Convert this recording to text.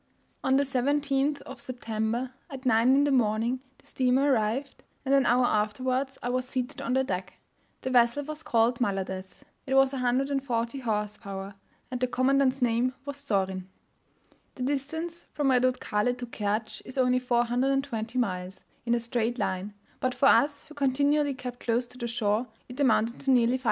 On the 17th of September, at 9 in the morning, the steamer arrived, and an hour afterwards I was seated on the deck. The vessel was called Maladetz; it was 140 horse power, and the commandant's name was Zorin. The distance from Redutkale to Kertsch is only 420 miles in a straight line, but for us, who continually kept close to the shore, it amounted to nearly 580.